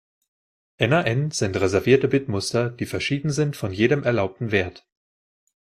NaN sind reservierte Bitmuster, die verschieden sind von jedem erlaubten Wert.